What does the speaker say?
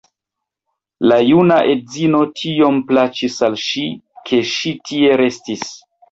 La juna edzino tiom plaĉis al ŝi, ke ŝi tie restis.